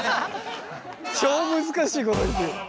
超難しいこと言ってる。